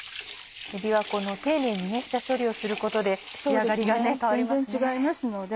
えびは丁寧に下処理をすることで仕上がりが変わりますね。